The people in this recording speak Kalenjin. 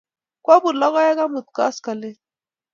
Kwaput logoek amut koskoling'